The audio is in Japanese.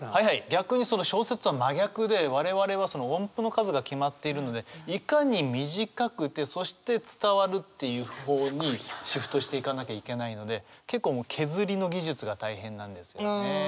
逆にその小説とは真逆で我々はその音符の数が決まっているのでいかに短くてそして伝わるっていう方にシフトしていかなきゃいけないので結構削りの技術が大変なんですよね。